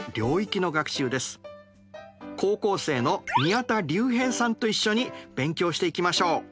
高校生の宮田隆平さんと一緒に勉強していきましょう。